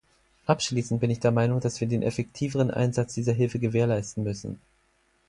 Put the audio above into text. Abschließend bin ich der Meinung, dass wir den effektiveren Einsatz dieser Hilfe gewährleisten müssen.